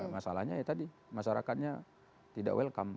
masalahnya ya tadi masyarakatnya tidak welcome